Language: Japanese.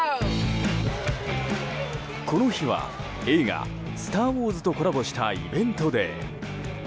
この日は映画「スター・ウォーズ」とコラボしたイベントデー。